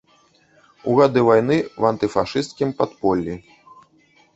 У гады вайны ў антыфашысцкім падполлі.